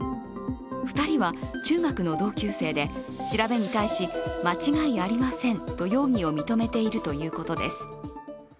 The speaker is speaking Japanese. ２人は中学の同級生で調べに対し間違いありませんと容疑を認めているということです。